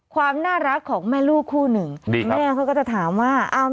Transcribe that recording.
ความน่ารักของแม่ลูกคู่หนึ่งแม่เขาก็จะถามว่าอ้าว